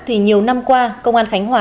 thì nhiều năm qua công an khánh hòa